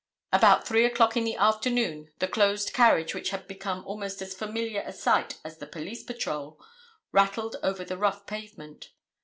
About 3 o'clock in the afternoon the closed carriage which had become almost as familiar a sight as the police patrol, rattled over the rough pavement.